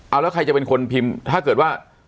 เอาแล้วใครจะเป็นคนพิมพ์ถ้าเกิดว่า